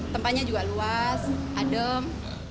tempanya juga luas adem